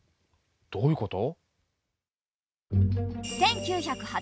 どういうこと？